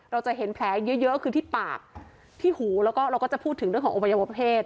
เราจะเห็นแผลเยอะเยอะคือที่ปากที่หูแล้วก็เราก็จะพูดถึงเรื่องของอวัยวะเพศ